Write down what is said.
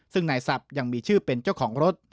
ซึ่งไหนสับยังมีชื่อเป็นเจ้าของรถ